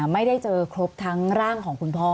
ไม่ได้เจอครบทั้งร่างของคุณพ่อ